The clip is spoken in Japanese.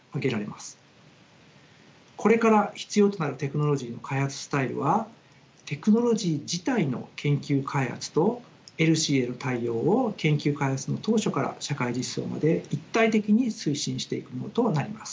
これから必要となるテクノロジーの開発スタイルはテクノロジー自体の研究開発とＥＬＳＩへの対応を研究開発の当初から社会実装まで一体的に推進していくものとなります。